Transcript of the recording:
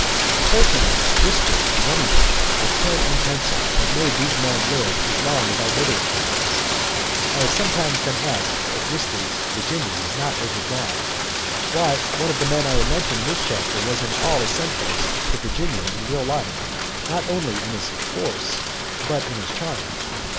Fortunately, Wister and Remington, with pen and pencil, have made these men live as long as our literature lives. I have sometimes been asked if Wister's "Virginian" is not overdrawn; why, one of the men I have mentioned in this chapter was in all essentials the Virginian in real life, not only in his force but in his charm.